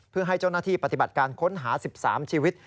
เพื่อให้เจ้าหน้าที่ปฏิบัติการค้นหา๑๓ชีวิต